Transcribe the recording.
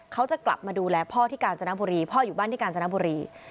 เขาจะกลับมาดูแลพ่อที่กาญจนบุรีพ่ออยู่บ้านที่กาญจนบุรี